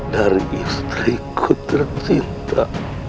dari istriku tercinta